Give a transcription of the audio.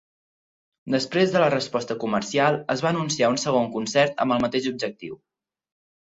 Després de la resposta comercial, es va anunciar un segon concert amb el mateix objectiu.